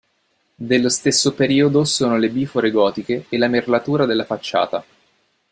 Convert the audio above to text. Dello stesso periodo sono le bifore gotiche e la merlatura della facciata.